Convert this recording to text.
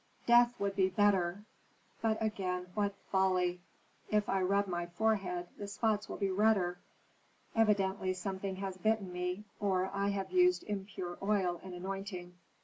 Death would be better But again what folly! If I rub my forehead, the spots will be redder. Evidently something has bitten me, or I have used impure oil in anointing.